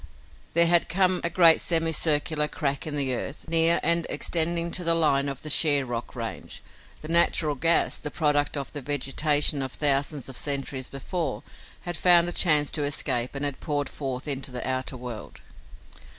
There had come a great semi circular crack in the earth, near and extending to the line of the sheer rock range. The natural gas, the product of the vegetation of thousands of centuries before, had found a chance to escape and had poured forth into the outer world.